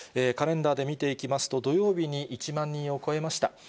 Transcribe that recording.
カレンダーで見ていきますと、土曜日に１万人を超えました。